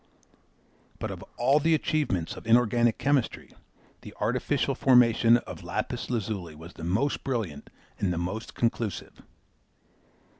But of all the achievements of inorganic chemistry, the artificial formation of lapis lazuli was the most brilliant and the most conclusive.